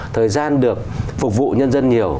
thời gian được phục vụ nhân dân nhiều